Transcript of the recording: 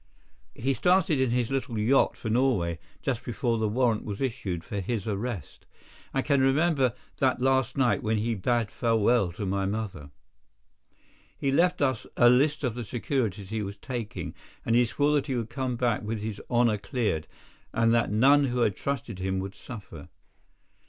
He started in his little yacht for Norway just before the warrant was issued for his arrest. I can remember that last night when he bade farewell to my mother. He left us a list of the securities he was taking, and he swore that he would come back with his honour cleared, and that none who had trusted him would suffer.